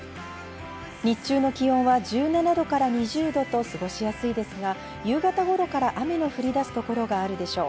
日中の気温は１７度から２０度と過ごしやすいですが夕方頃から雨の降り出す所があるでしょう。